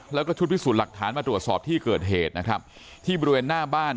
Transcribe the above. แล้วก็ชุดพิสูจน์หลักฐานมาตรวจสอบที่เกิดเหตุนะครับที่บริเวณหน้าบ้าน